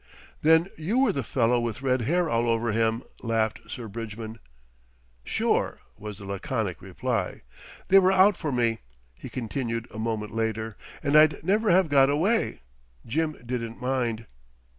"Then you were the fellow with red hair all over him," laughed Sir Bridgman. "Sure," was the laconic reply. "They were out for me," he continued a moment later, "and I'd never have got away. Jim didn't mind."